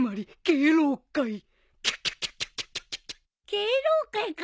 敬老会か。